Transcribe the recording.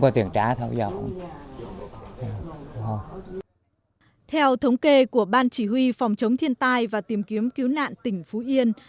theo thống kê của ban chỉ huy phòng chống thiên tai và tìm kiếm cứu nạn tỉnh phú yên